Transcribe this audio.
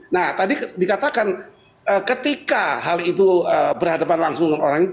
nah tadi dikatakan ketika hal itu berhadapan langsung dengan orang